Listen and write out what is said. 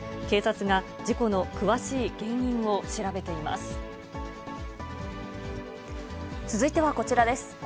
警察が事故の詳しい原因を調べて続いてはこちらです。